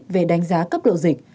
về đánh giá cấp độ dịch